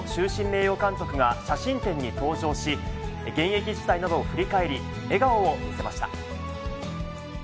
名誉監督が写真展に登場し、現役時代などを振り返り、笑顔を見せました。